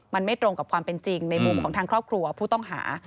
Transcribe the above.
มันไม่ตรงกับความเป็นจริงในมุมของทางครอบครัวผู้ต้องหา